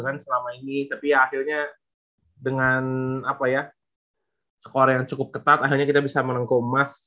kan selama ini tapi akhirnya dengan apa ya skor yang cukup ketat akhirnya kita bisa menengku emas